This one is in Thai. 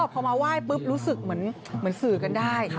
พอมาไหว้ปุ๊บรู้สึกเหมือนสื่อกันได้